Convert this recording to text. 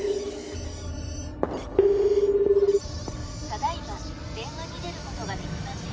ただ今電話に出ることができません。